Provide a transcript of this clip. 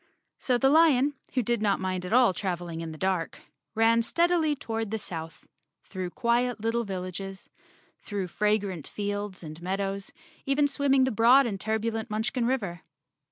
So the lion, who did not mind at all traveling in the dark, ran steadily toward the south, through quiet little villages, through fragrant fields and meadows, even swimming the broad and turbulent Munchkin river.